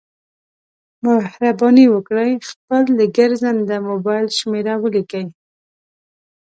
مهرباني وکړئ خپل د ګرځنده مبایل شمېره ولیکئ